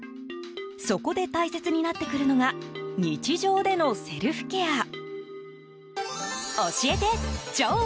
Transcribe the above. そこで、大切になってくるのが日常のセルフケア。